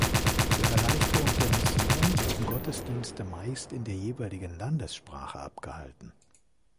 Zur Erleichterung der Mission wurden Gottesdienste meist in der jeweiligen Landessprache abgehalten.